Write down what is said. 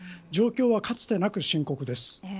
状況は、かつてなく深刻です。